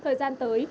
thời gian tới